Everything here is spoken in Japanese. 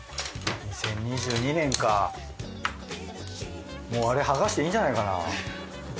２０２２年かもうあれはがしていいんじゃないかな。